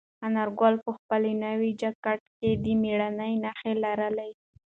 انارګل په خپل نوي جاکټ کې د مېړانې نښې لرلې.